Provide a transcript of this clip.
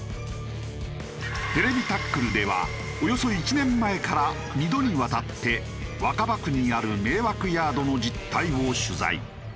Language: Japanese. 『ＴＶタックル』ではおよそ１年前から２度にわたって若葉区にある迷惑ヤードの実態を取材。